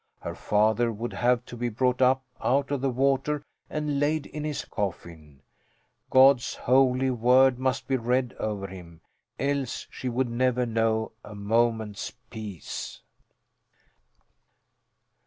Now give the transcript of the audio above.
Her father would have to be brought up out of the water and laid in his coffin. God's Holy Word must be read over him, else she would never know a moment's peace.